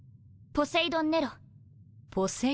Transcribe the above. ポセイドン・ネロ？